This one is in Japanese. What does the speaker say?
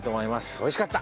おいしかった！